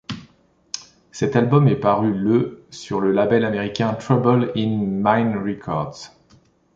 Cet album est paru le sur le label américain Trouble In Mind Records.